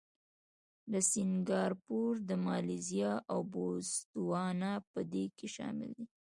لکه سینګاپور، مالیزیا او بوتسوانا په دې کې شامل دي.